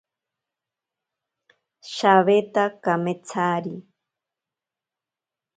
Shaweta kametsari.